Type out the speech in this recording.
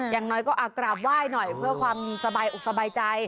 อย่างน้อยก็ราบว่ายหน่อยคือการถ้ามืดทันสบายใจ